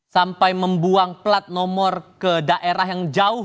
sampai membuang plat nomor ke daerah yang jauh